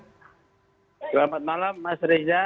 selamat malam mas reza